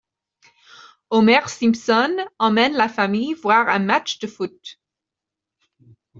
Homer Simpson emmène la famille voir un match de foot.